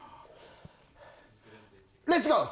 レッツゴー！